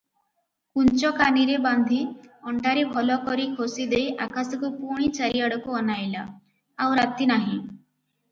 କୁଞ୍ଚକାନିରେ ବାନ୍ଧି ଅଣ୍ଟାରେ ଭଲ କରି ଖୋଷିଦେଇ ଆକାଶକୁ ପୁଣି ଚାରିଆଡ଼କୁ ଅନାଇଲା, ଆଉ ରାତି ନାହିଁ ।